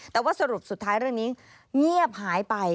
แต่ว่าสรุปสุดท้ายเรื่องนี้เงียบหายไป